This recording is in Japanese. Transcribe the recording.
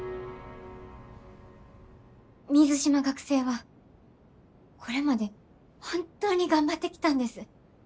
水島学生はこれまで本当に頑張ってきたんです。